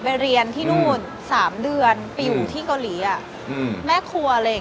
เรียนที่นู่น๓เดือนไปอยู่ที่เกาหลีแม่ครัวอะไรอย่างนี้